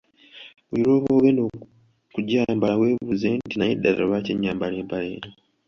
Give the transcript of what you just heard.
Buli lw’oba ogenda okugyambala weebuuze nti, “Naye ddala lwaki nyambala empale eno?